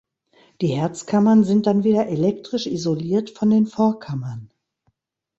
Die Herzkammern sind dann wieder „elektrisch isoliert“ von den Vorkammern.